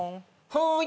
はい。